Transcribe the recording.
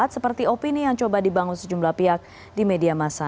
seperti opini yang coba dibangun sejumlah pihak di media masa